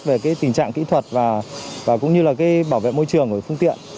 về tình trạng kỹ thuật và cũng như là bảo vệ môi trường của phương tiện